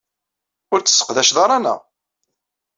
Ur tt-tesseqdaceḍ ara, naɣ?